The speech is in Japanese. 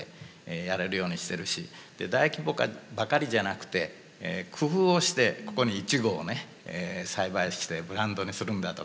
大規模化ばかりじゃなくて工夫をして「ここにイチゴをね栽培してブランドにするんだ」とかね。